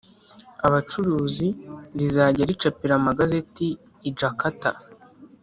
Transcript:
abacuruzi rizajya ricapira amagazeti i Jakarta